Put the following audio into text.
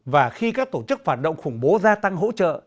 và khi các tổ chức phản động khủng bố gia tăng hỗ trợ